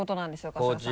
春日さん。